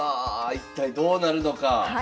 一体どうなるのか。